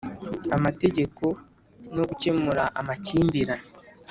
Amategeko no gukemura amakimbirane.